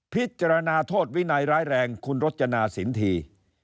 พิจารณาโทษวินัยร้ายแรงคุณรจนาสินที